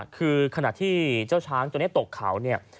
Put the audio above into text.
คือขณะที่เจ้าช้างตัวนี้ตกเขาเนี่ย